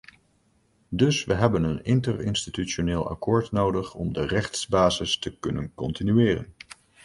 Dus we hebben een interinstitutioneel akkoord nodig om de rechtsbasis te kunnen continueren.